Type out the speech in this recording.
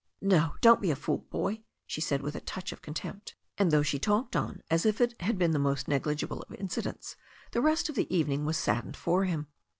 "No, don't be a fool, boy," she said with a touch of con tempt. And though she talked on as if it had been the most negligible of incidents, the rest of the evening was saddened for him.